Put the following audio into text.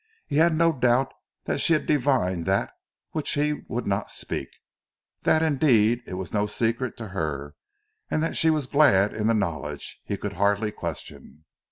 He had no doubt that she divined that which he would not speak; that indeed it was no secret to her, and that she was glad in the knowledge he could hardly question.